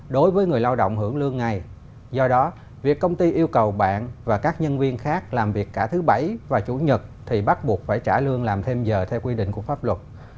đối với người lao động hưởng lương ngày do đó việc công ty yêu cầu bạn và các nhân viên khác làm việc cả thứ bảy và chủ nhật thì bắt buộc phải trả lương làm thêm giờ theo quy định của pháp luật